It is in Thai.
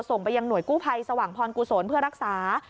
ส่งไปยังหน่วยกู้ภัยสว่างพรกุศลเพื่อรักษา